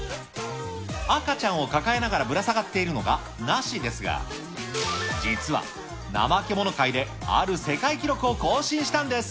赤ちゃんを抱えながらぶら下がっているのがナシですが、実はナマケモノ界である世界記録を更新したんです。